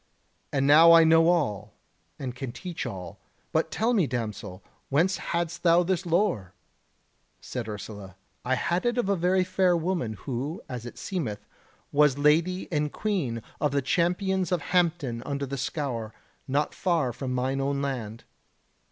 And now I know all, and can teach all. But tell me, damsel, whence hadst thou this lore?" Said Ursula: "I had it of a very fair woman who, as it seemeth, was Lady and Queen of the Champions of Hampton under the Scaur, not far from mine own land."